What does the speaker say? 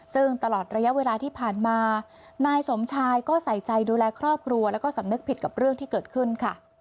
ซึ่งตลอดระยะเวลาที่ผ่านมานายสมชายก็ใส่ใจดูแลครอบครัวแล้วก็สำนึกผิดกับเรื่องที่เกิดขึ้นค่ะ